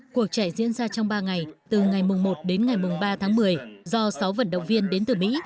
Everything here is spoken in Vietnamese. cuộc chạy diễn ra trong ba ngày từ ngày một đến ngày ba tháng một mươi do sáu vận động viên đến từ mỹ